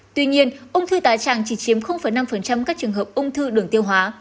tuy nhiên ung thư tá tràng chỉ chiếm năm các trường hợp ung thư đường tiêu hóa